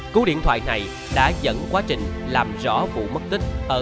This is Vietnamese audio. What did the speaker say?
cú điện thoại này đã dẫn quá trình làm rõ vụ mất điện thoại